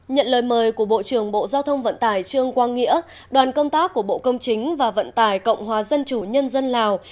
nhận lời mời của bộ trưởng bộ giao thông vận tải trương quang nghĩa đoàn công tác của bộ công chính và vận tải cộng hòa dân chủ nhân dân lào